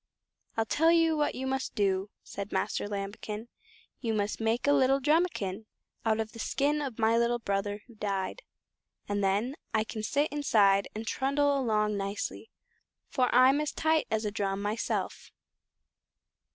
"I'll tell you what you must do," said Master Lambikin, "you must make a little drumikin out of the skin of my little brother who died, and then I can sit inside and trundle along nicely, for I'm as tight as a drum myself."